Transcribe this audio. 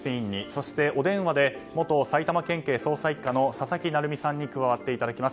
そして、お電話で元埼玉県警捜査１課の佐々木成三さんに加わっていただきます